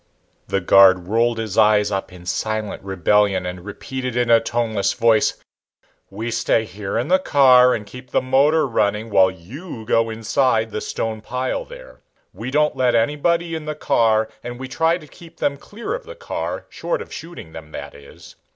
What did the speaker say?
The guard rolled his eyes up in silent rebellion and repeated in a toneless voice: "We stay here in the car and keep the motor running while you go inside the stone pile there. We don't let anybody in the car and we try and keep them clear of the car short of shooting them, that is.